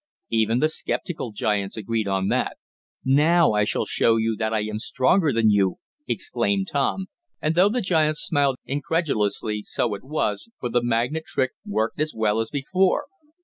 Even the skeptical giants agreed on that. "Now I shall show you that I am stronger than you!" exclaimed Tom, and though the giants smiled incredulously so it was, for the magnet trick worked as well as before.